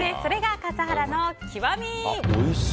それが笠原の極み！